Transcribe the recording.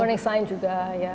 warning sign juga ya